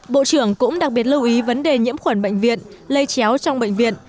bộ trưởng cũng đặc biệt lưu ý vấn đề nhiễm khuẩn bệnh viện lây chéo trong bệnh viện